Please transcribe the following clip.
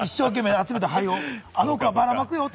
一生懸命集めた灰を。